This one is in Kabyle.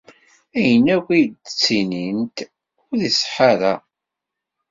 Ayen ay d-ttinint ur iṣeḥḥa ara.